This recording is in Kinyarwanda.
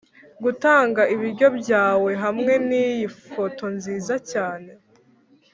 gutanga ibiryo byawe hamwe niyi foto nziza cyane.